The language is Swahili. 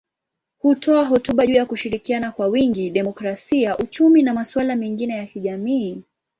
Hutoa hotuba juu ya kushirikiana kwa wingi, demokrasia, uchumi na masuala mengine ya kijamii.